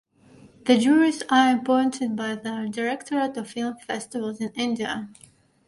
The juries are appointed by the Directorate of Film Festivals in India.